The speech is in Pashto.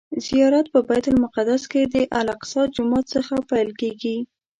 زیارت په بیت المقدس کې د الاقصی جومات څخه پیل کیږي.